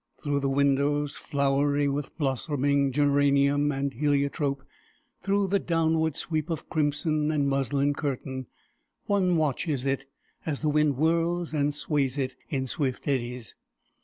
Through the windows, flowery with blossoming geranium and heliotrope, through the downward sweep of crimson and muslin curtain, one watches it as the wind whirls and sways it in swift eddies.